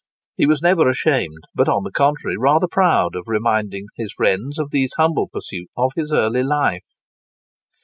He was never ashamed, but on the contrary rather proud, of reminding his friends of these humble pursuits of his early life.